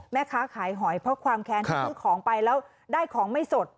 แม่ค้าขายหอยเพราะความแค้นที่ซื้อของไปแล้วได้ของไม่สด